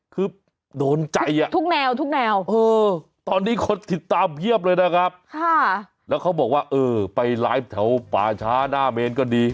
คือโดนใจอ่ะทุกแนวทุกแนวตอนนี้คนติดตามเพียบเลยนะครับแล้วเขาบอกว่าเออไปไลฟ์แถวป่าช้าหน้าเมนก็ดี